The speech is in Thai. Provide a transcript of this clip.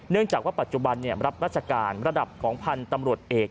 จากว่าปัจจุบันรับราชการระดับของพันธุ์ตำรวจเอก